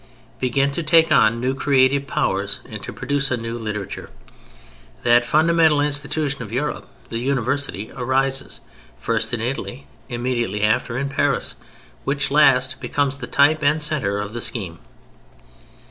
] begin to take on new creative powers and to produce a new literature. That fundamental institution of Europe, the University, arises; first in Italy, immediately after in Paris—which last becomes the type and centre of the scheme.